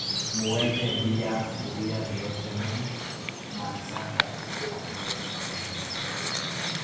Mu weke bia kuria biote mu ma nsaka tu ka peleke ku kanisa